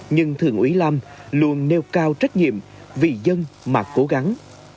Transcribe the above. nhưng thường ủy lam luôn nêu cao trách nhiệm vì dân mà cố gắng